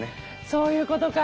そういうことか。